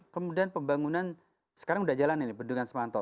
kemudian pembangunan sekarang sudah jalan ini bendungan semanto